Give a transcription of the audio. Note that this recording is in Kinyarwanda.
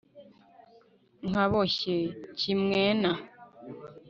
nka, boshye, kimwena,..